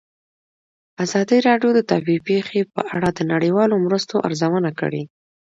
ازادي راډیو د طبیعي پېښې په اړه د نړیوالو مرستو ارزونه کړې.